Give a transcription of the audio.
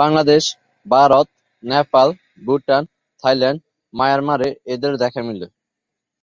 Bangladesh, Bharat, Nepal, Bhutan, Thailand, মায়ানমারে এদের দেখা মেলে।